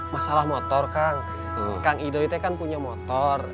masalah motor kang kang ido itu kan punya motor